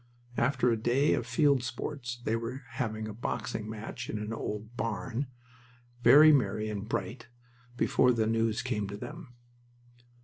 After a day of field sports they were having a boxing match in an old barn, very merry and bright, before that news came to them.